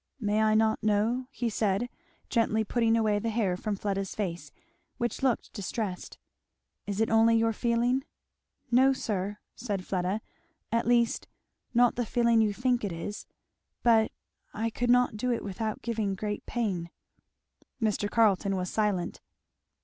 "May I not know?" he said, gently putting away the hair from Fleda's face, which looked distressed. "Is it only your feeling?" "No sir," said Fleda, "at least not the feeling you think it is but I could not do it without giving great pain." Mr. Carleton was silent.